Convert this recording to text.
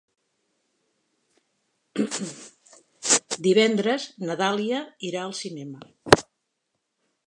Divendres na Dàlia irà al cinema.